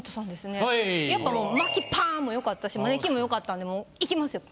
やっぱもう「薪ぱんっ」もよかったし「マネキン」もよかったんでいきますよ